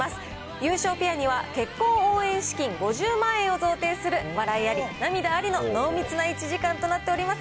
優勝ペアには結婚応援資金５０万円を贈呈する笑いあり、涙ありの濃密な１時間となっております。